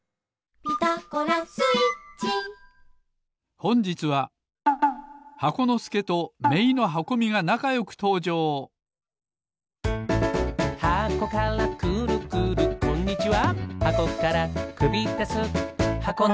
ほんじつは箱のすけとめいのはこみがなかよくとうじょうこんにちは。